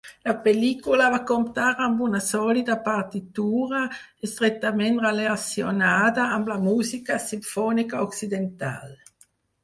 La pel·lícula va comptar amb una sòlida partitura, estretament relacionada amb la música simfònica occidental.